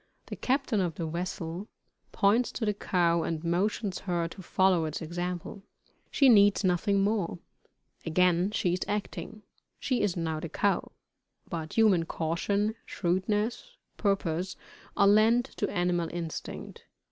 The captain of the vessel points to the cow and motions her to follow its example. She needs nothing more. Again she is acting she is now the cow; but human caution, shrewdness, purpose, are lent to animal instinct.